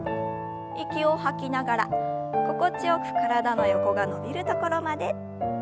息を吐きながら心地よく体の横が伸びるところまで。